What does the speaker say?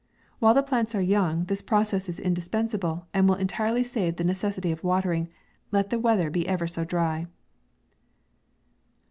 While the plants are young, this process is indispensable, and will entirely save the necessity of watering, let the wea ther be ever so dry.